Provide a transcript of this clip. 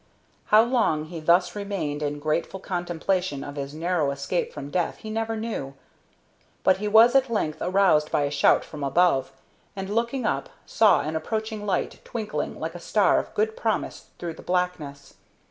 How long he thus remained in grateful contemplation of his narrow escape from death he never knew, but he was at length aroused by a shout from above, and, looking up, saw an approaching light twinkling like a star of good promise through the blackness.